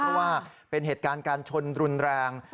ไม่ต้องว่าเป็นเหตุการณ์การชนรุนแรง